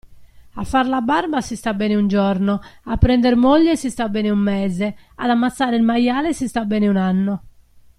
A far la barba si sta bene un giorno, a prender moglie si sta bene un mese, ad ammazzare il maiale si sta bene un anno.